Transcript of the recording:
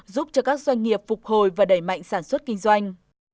giúp cho các doanh nghiệp phục hồi và đẩy mạnh sản xuất kinh doanh